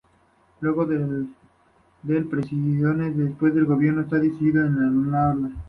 Luego de presiones desde el gobierno esta decisión fue anulada.